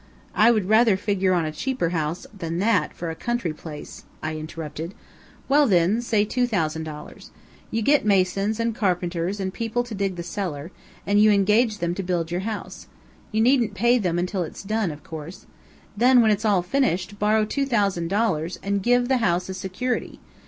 "I would rather figure on a cheaper house than that for a country place," I interrupted. "Well then, say two thousand dollars. You get masons, and carpenters, and people to dig the cellar, and you engage them to build your house. You needn't pay them until it's done, of course. Then when it's all finished, borrow two thousand dollars and give the house as security.